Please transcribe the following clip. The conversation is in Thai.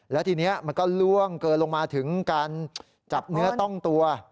แล้วทีนี้มันก็ล่วงเกินลงมาถึงการจับเนื้อต้องตัว